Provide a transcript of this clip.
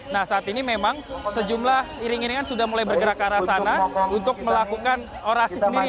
nah saat ini memang sejumlah iring iringan sudah mulai bergerak ke arah sana untuk melakukan orasi sendiri